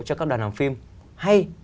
cho các đoàn làm phim hay